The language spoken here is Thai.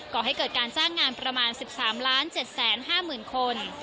ก่อให้เกิดการจ้างงานประมาณ๑๓๗๕๐๐๐คน